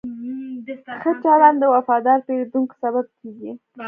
ښه چلند د وفادار پیرودونکو سبب کېږي.